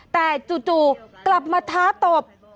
แต่จู่กลับมาท้าตบ